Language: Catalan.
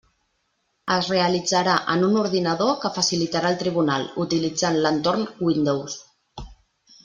Es realitzarà en un ordinador que facilitarà el tribunal, utilitzant l'entorn Windows.